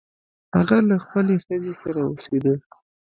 هغه له خپلې ښځې سره اوسیده.